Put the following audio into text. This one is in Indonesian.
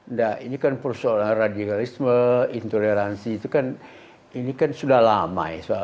nah ini kan persoalan radikalisme intoleransi itu kan ini kan sudah lama